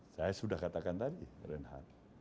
saya sudah katakan tadi reinhardt